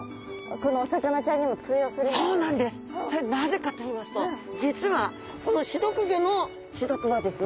それはなぜかといいますと実はこの刺毒魚の刺毒はですね